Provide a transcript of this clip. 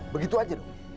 begitu aja dong